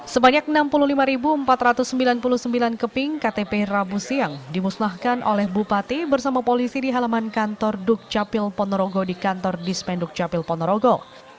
sebanyak enam puluh lima empat ratus sembilan puluh sembilan keping ktp rabu siang dimusnahkan oleh bupati bersama polisi di halaman kantor dukcapil ponorogo di kantor dispenduk capil ponorogo